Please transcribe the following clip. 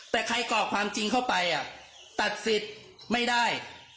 แต่ใครก่อความจริงเข้าไปตัดสิทธิ์ไม่ได้